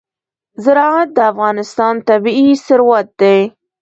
زراعت د افغانستان طبعي ثروت دی.